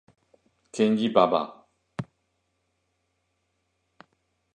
Kenji Baba